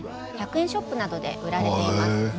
１００円ショップなどで売られています。